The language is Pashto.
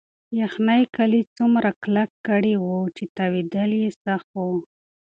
یخنۍ کالي دومره کلک کړي وو چې تاوېدل یې سخت وو.